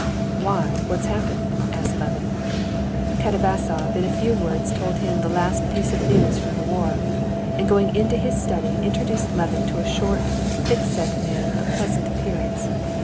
"Why, what's happened?" asked Levin. Katavasov in a few words told him the last piece of news from the war, and going into his study, introduced Levin to a short, thick set man of pleasant appearance.